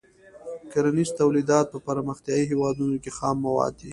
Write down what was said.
کرنیز تولیدات په پرمختیايي هېوادونو کې خام مواد دي.